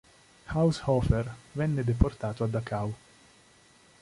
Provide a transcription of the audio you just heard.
Haushofer venne deportato a Dachau.